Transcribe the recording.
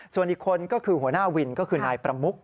ส่วนอีกคนก็คือหัวหน้าวินก็คือนายประมุก